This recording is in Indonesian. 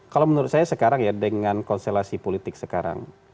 kalau menurut saya sekarang ya dengan konstelasi politik sekarang